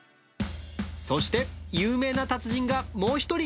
そして有名な達人がもう１人。